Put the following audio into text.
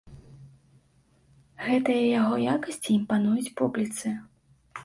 Гэтыя яго якасці імпануюць публіцы.